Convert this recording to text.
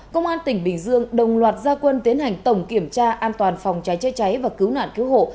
công an tỉnh bình dương đồng loạt gia quân tiến hành tổng kiểm tra an toàn phòng cháy chữa cháy và cứu nạn cứu hộ